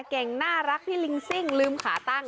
เก่งน่ารักพี่ลิงซิ่งลืมขาตั้ง